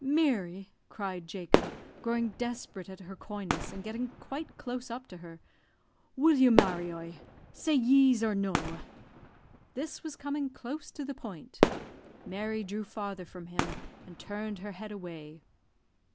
"Meary," cried Jacob, growing desperate at her coyness, and getting quite close up to her, "will you marry oie? Say yeez or noa?" This was coming close to the point. Mary drew farther from him, and turned her head away.